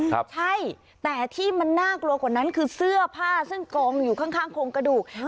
ใช่แต่ที่มันน่ากลัวกว่านั้นคือเสื้อผ้าซึ่งกองอยู่ข้างโครงกระดูก